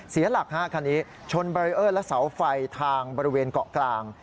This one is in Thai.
เสียหลักฮะคันนี้ชนบารีเออร์และเสาไฟทางบริเวณเกาะกลาง